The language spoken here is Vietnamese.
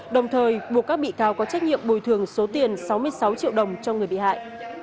đồng thời buộc các bị cáo có trách nhiệm bồi thường số tiền sáu mươi sáu triệu đồng cho người bị hại